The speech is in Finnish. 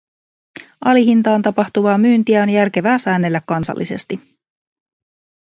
Alihintaan tapahtuvaa myyntiä on järkevää säännellä kansallisesti.